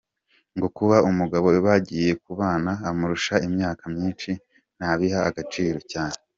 Ngo kuba umugabo bagiye kubana amurusha imyaka myinshi ntabiha agaciro cyane.